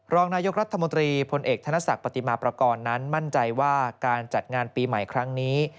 รองนายกรัฐมนตรีพลเอกธนศักดิ์ปฏิมาประกอบนั้นมั่นใจว่าการจัดงานปีใหม่ครั้งนี้